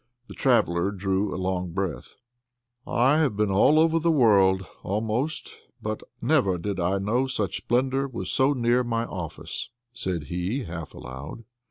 The traveller drew a long breath. "I have been over the world, almost, but never did I know such splendor was so near my office," said he, half aloud.